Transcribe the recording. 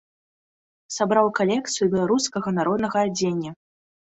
Сабраў калекцыю беларускага народнага адзення.